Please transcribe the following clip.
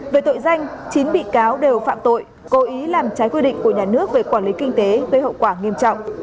về tội danh chín bị cáo đều phạm tội cố ý làm trái quy định của nhà nước về quản lý kinh tế gây hậu quả nghiêm trọng